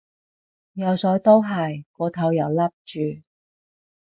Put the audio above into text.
游水都係，個頭又笠住